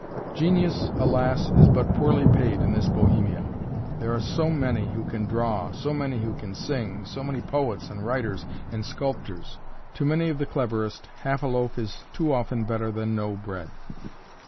Genius, alas, is but poorly paid in this Bohemia! There are so many who can draw, so many who can sing, so many poets and writers and sculptors. To many of the cleverest, half a loaf is too often better than no bread.